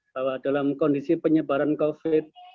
bahwa dalam kondisi penyebaran covid sembilan belas